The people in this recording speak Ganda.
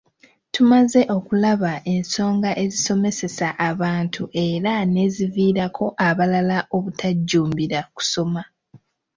Tumaze okulaba ensonga ezisomesesa abantu era n'eziviirako abalala obutajjumbira kusoma.